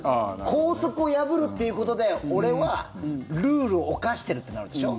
校則を破るっていうことで俺はルールを犯してるってなるでしょ？